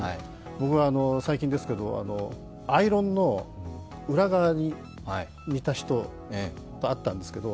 僕は最近ですけど、アイロンの裏側に似た人に会ったんですけど、